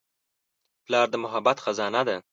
پلار د محبت خزانه ده.